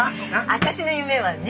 私の夢はね。